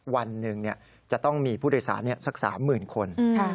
วันหนึ่งจะต้องมีผู้โดยสารสัก๓๐๐๐คน